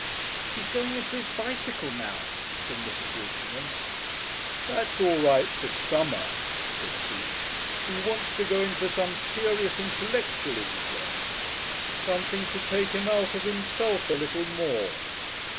"He's going in for his bicycle now," said Mrs. Walshingham. "That's all right for summer," said Coote, "but he wants to go in for some serious, intellectual interest, something to take him out of himself a little more.